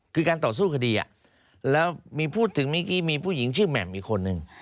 คือการต่อสู้คดีแล้วมีพูดถึงเมื่อกี้มีผู้หญิงชื่อแหม่มอีกคนนึง